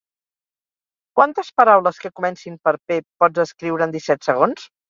Quantes paraules que comencin per p pots escriure en disset segons?